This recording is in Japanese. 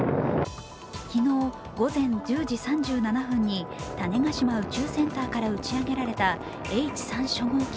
昨日、午前１０時３７分に種子島宇宙センターから打ち上げられたＨ３初号機。